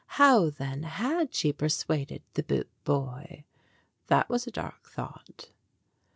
How, then, had she persuaded the boot boy? That was a dark thought.